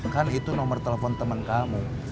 kan itu nomor telepon teman kamu